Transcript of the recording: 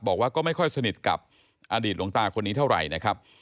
บอกว่าก็ไม่ค่อยสนิทกับอดีตหลวงตาคนนี้เท่าไหร่นะครับ